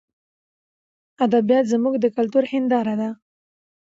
ادبیات زموږ د کلتور هنداره ده.